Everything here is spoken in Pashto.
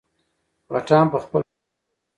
_غټان په خپل نوم مه بوله!